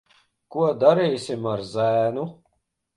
Ko darīsim ar zēnu?